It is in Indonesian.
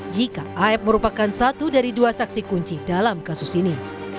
jika af merupakan satu dari dua saksi kunci dalam kasus ini